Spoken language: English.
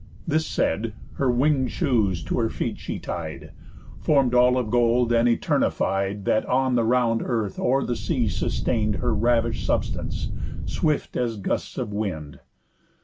This said, her wing'd shoes to her feet she tied, Form'd all of gold, and all eternified, That on the round earth or the sea sustain'd Her ravish'd substance swift as gusts of wind.